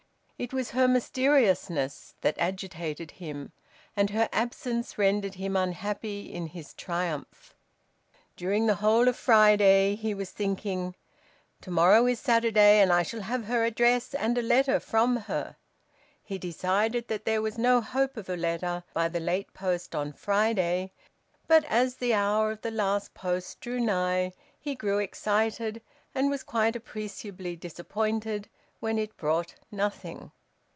It was her mysteriousness that agitated him, and her absence rendered him unhappy in his triumph. During the whole of Friday he was thinking: "To morrow is Saturday and I shall have her address and a letter from her." He decided that there was no hope of a letter by the last post on Friday, but as the hour of the last post drew nigh he grew excited, and was quite appreciably disappointed when it brought nothing.